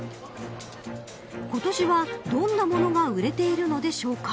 今年は、どんなものが売れているのでしょうか。